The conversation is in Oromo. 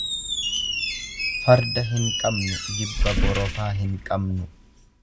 Farda hin qabnu jibba borofaa hin qabnu.